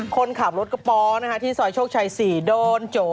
คนขับรถกระป๋อที่ซอยโชคชัย๔โดนโจ